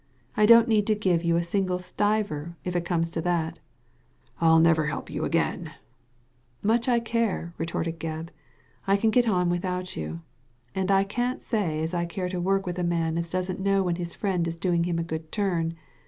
I don't need to give you a single stiver if it comes to that" " ni never help you again I " Much I care I " retorted Gebb. • I can get on without you. And I can't say as I care to work with a man as doesn't ,know when his friend is doing him a good turn.